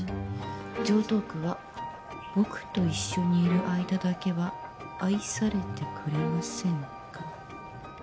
常套句は僕と一緒にいる間だけは愛されてくれませんか」。